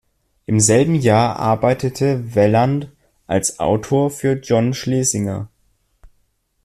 Im selben Jahr arbeitete Welland als Autor für John Schlesinger.